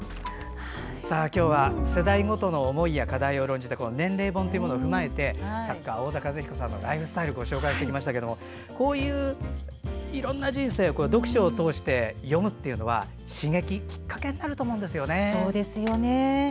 今日は世代ごとの課題などを論じた年齢本を踏まえて作家・太田和彦さんのライフスタイルご紹介してきましたがこういういろんな人生を読書を通して読むというのは刺激、きっかけになると思うんですね。